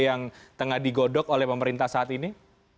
yang tengah digodok oleh pemerintah saat ini